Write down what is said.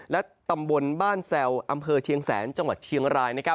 และตำบลบ้านแซวอำเภอเชียงแสนจังหวัดเชียงราย